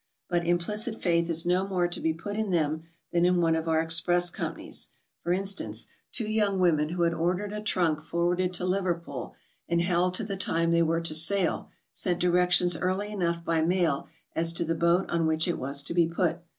But implicit faith is no more to be put in them than in one of our express companies. For instance, two young women who had ordered a trunk forwarded to Liver pool and held till the time they were to sail, sent directions early enough by mail as to the boat on which it w^as to be put.